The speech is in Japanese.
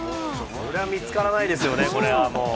これは見つからないですよね、これはもう。